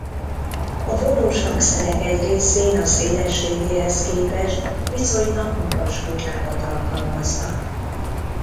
A vonós hangszerek egy részén a szélességéhez képest viszonylag magas húrlábat alkalmaznak.